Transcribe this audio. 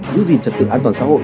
giữ gìn trật tự an toàn xã hội